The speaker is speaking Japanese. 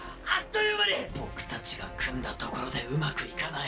僕たちが組んだところでうまくいかない。